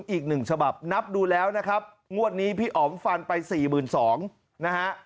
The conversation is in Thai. อีกหนึ่งฉบับนับดูแล้วนะครับงวดนี้พี่อ๋อมฟันไป๔๒๐๐นะฮะ